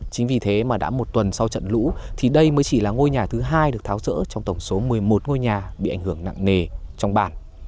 chính vì thế mà đã một tuần sau trận lũ thì đây mới chỉ là ngôi nhà thứ hai được tháo rỡ trong tổng số một mươi một ngôi nhà bị ảnh hưởng nặng nề trong bản